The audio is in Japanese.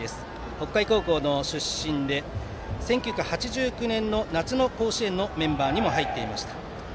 北海高校の出身で１９８９年の夏の甲子園のメンバーにも入っていました。